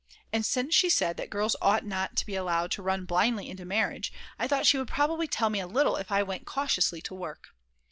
And since she said that girls ought not to be allowed to run blindly into marriage, I thought she would probably tell me a little if I went cautiously to work.